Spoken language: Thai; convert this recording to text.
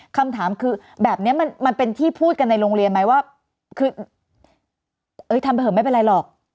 คำถามคือแบบนี้มันเป็นที่พูดกันในโรงเรียนไหมว่าคือเอ้ยทำไปเหอะไม่เป็นไรหรอก